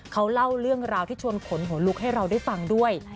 เขาเล่าเรื่องราวที่ชวนขนหัวลุกให้เราได้ฟังด้วย